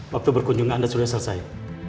waktu berkunjungan sudah selesai